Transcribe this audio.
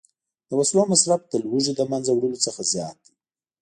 د وسلو مصرف د لوږې له منځه وړلو څخه زیات دی